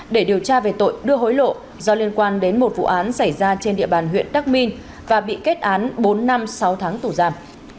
để điều tra về tội đưa hối lộ do liên quan đến một vụ án xảy ra trên địa bàn huyện đắk minh và bị kết án bốn năm sáu tháng tù giam